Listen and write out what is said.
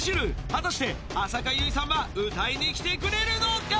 果たして浅香唯さんは歌いに来てくれるのか。